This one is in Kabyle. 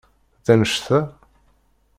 D annect-a?